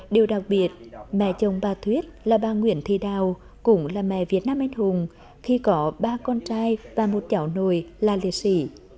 điều đặc biệt mẹ chồng bà thuyết là bà nguyễn thị đào cũng là mẹ việt nam anh hùng khi có ba con trai và một chảo nồi là liệt sĩ